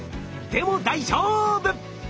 でも大丈夫！